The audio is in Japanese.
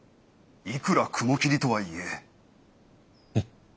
いくら雲霧とはいえ。